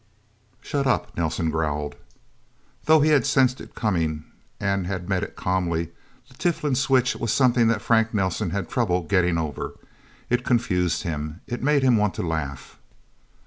"Shut up," Nelsen growled. Though he had sensed it coming and had met it calmly, the Tiflin switch was something that Frank Nelsen had trouble getting over. It confused him. It made him want to laugh.